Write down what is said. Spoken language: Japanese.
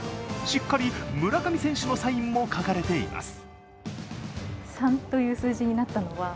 しっかり村上選手のサインも書かれています。